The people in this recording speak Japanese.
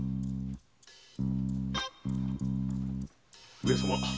・上様